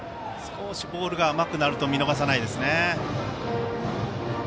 少しボールが甘くなると見逃さないですね。